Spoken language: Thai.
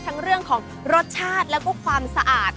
เรื่องของรสชาติแล้วก็ความสะอาด